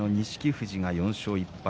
富士が４勝１敗。